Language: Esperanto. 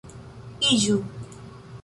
iĝu